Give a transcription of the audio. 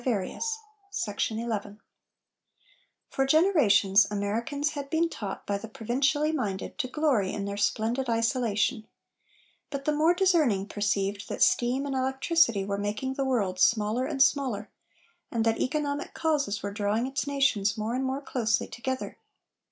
CHAPTER VII THE WORLD WAR For generations Americans had been taught by the provincially minded to glory in their "splendid isolation," but the more discerning perceived that steam and electricity were making the world smaller and smaller, and that economic causes were drawing its nations more and more closely together.